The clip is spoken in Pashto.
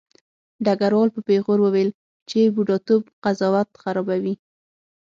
ډګروال په پیغور وویل چې بوډاتوب قضاوت خرابوي